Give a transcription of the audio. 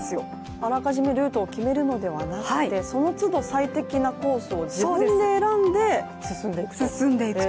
あらかじめルートを決めるのではなくてその都度最適なルートを自分で選んで進んでいくと。